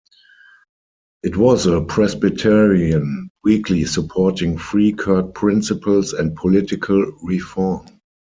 It was a Presbyterian weekly supporting Free Kirk principles and political reform.